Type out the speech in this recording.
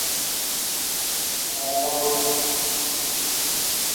En Canadá, "Boyfriend" alcanzó el puesto No.